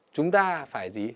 chúng ta phải gì